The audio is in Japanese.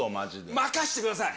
任してください。